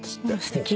すてき。